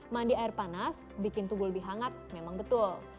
mandi air panas bikin tubuh lebih hangat memang betul